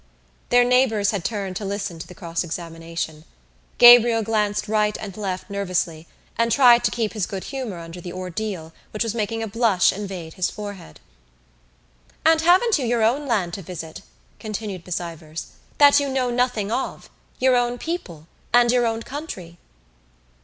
Their neighbours had turned to listen to the cross examination. Gabriel glanced right and left nervously and tried to keep his good humour under the ordeal which was making a blush invade his forehead. "And haven't you your own land to visit," continued Miss Ivors, "that you know nothing of, your own people, and your own country?"